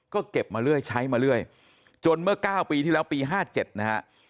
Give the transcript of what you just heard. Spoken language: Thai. ก็เก็บมาเรื่อยใช้มาเรื่อยจนเมื่อ๙ปีที่แล้วปี๕๗นะฮะ